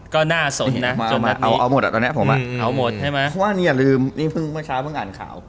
ก็น่าสมนะเอาเอาหมดอ่ะตอนนี้ผมอ่ะเอาหมดใช่ไหมเพราะว่านี่อย่าลืมนี่เพิ่งเมื่อเช้าเพิ่งอ่านข่าว